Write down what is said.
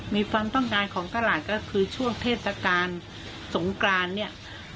มีความต้องการของตลาดก็คือช่วงเทศกาลสงกรานเนี่ย